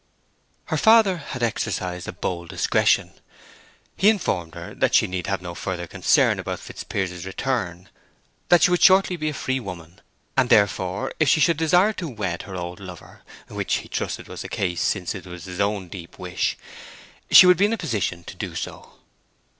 Her father had exercised a bold discretion. He informed her that she need have no further concern about Fitzpiers's return; that she would shortly be a free woman; and therefore, if she should desire to wed her old lover—which he trusted was the case, since it was his own deep wish—she would be in a position to do so.